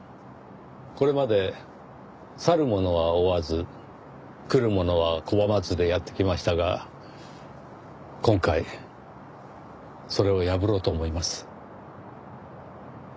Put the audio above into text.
これまで去る者は追わず来る者は拒まずでやってきましたが今回それを破ろうと思います。